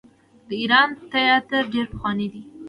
د ایران تیاتر ډیر پخوانی دی.